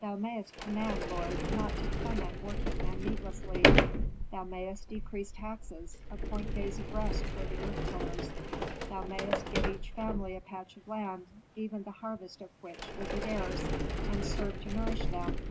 "Thou mayst command, lord, not to torment working men needlessly. Thou mayst decrease taxes, appoint days of rest for the earth tillers. Thou mayst give each family a patch of land, even the harvest of which would be theirs, and serve to nourish them.